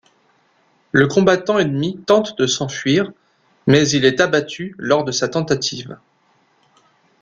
Le combattant ennemi tente de s'enfuir, mais il est abattu lors de sa tentative.